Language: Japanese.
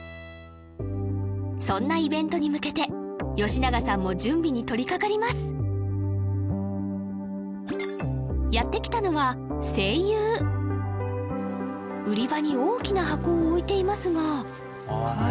そんなイベントに向けて吉永さんも準備に取りかかりますやって来たのは西友売り場に大きな箱を置いていますがああ